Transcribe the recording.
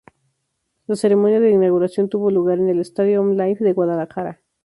La ceremonia de inauguración tuvo lugar en el Estadio Omnilife de Guadalajara.